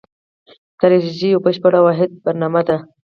ستراتیژي یوه بشپړه واحده برنامه ده.